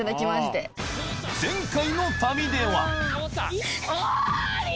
前回の旅では王林！